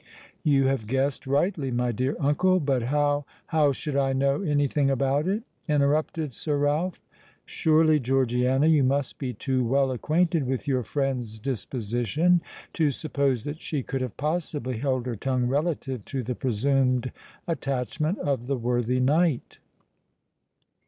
"You have guessed rightly, my dear uncle. But how——" "How should I know anything about it?" interrupted Sir Ralph. "Surely, Georgiana, you must be too well acquainted with your friend's disposition to suppose that she could have possibly held her tongue relative to the presumed attachment of the worthy knight?